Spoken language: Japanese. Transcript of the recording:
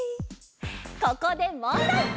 ここでもんだい！